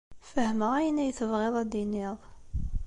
Fehmeɣ ayen ay tebɣiḍ ad d-tiniḍ.